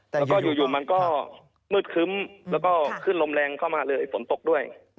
แล้วก็อยู่มันก็มืดครึ้มแล้วก็ขึ้นลมแรงเข้ามาเลยฝนตกด้วย